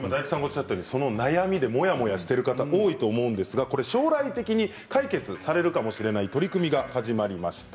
そのお悩みでモヤモヤしている方、多いと思うんですが将来的に解決されるかもしれない取り組みが始まりました。